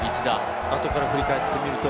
あとから振り返って見ると。